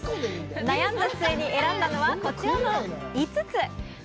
悩んだ末に選んだのはこちらの５つ。